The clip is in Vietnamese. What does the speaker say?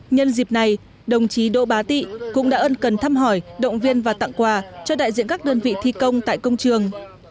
nhân dịp này đồng chí đỗ bá tị cũng đã ân cần thăm hỏi động viên và tặng quà cho đại diện các đơn vị thi công tại công trường